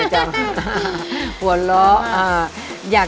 หัวเราะ